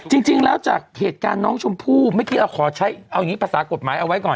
จริงแล้วจากเหตุการณ์น้องชมพู่เมื่อกี้เราขอใช้เอาอย่างนี้ภาษากฎหมายเอาไว้ก่อน